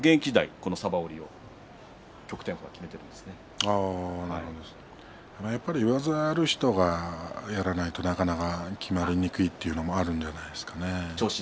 このさば折りを上背がある人がやらないとなかなかきまりにくいというのもあるんじゃないですか？